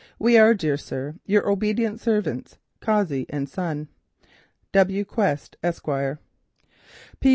"We are, dear sir, "Your obedient servants, "Cossey & Son. "W. Quest, Esq. "P.